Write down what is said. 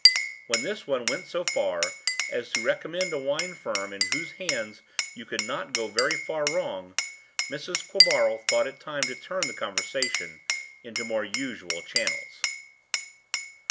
When this one went as far as to recommend a wine firm in whose hands you could not go very far wrong Mrs. Quabarl thought it time to turn the conversation into more usual channels.